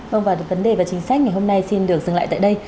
ông và vấn đề và chính sách ngày hôm nay xin được dừng lại tại đây